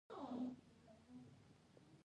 د هېواد جغرافیه کې سلیمان غر اهمیت لري.